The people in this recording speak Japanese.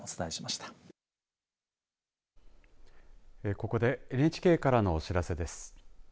ここでＮＨＫからのお知らせです。